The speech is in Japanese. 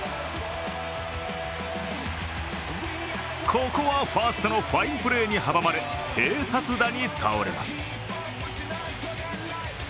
ここはファーストのファインプレーに阻まれ併殺打に倒れます。